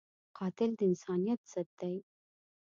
قاتل د انسانیت ضد دی